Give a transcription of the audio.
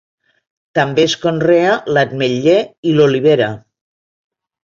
També es conrea l'ametller i l'olivera.